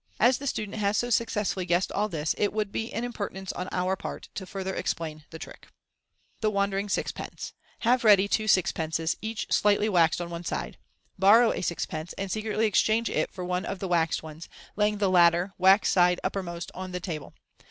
As the student has so successfully guessed all this, it would be an impertinence on our part to further explain the trick. Thb Wandering Sixpence. — Have ready two sixpences, each slightly waxed on one side. Borrow a sixpence, and secretly exchange it for one of the waxed ones, laying the latter, waxed side uppermost, on the table.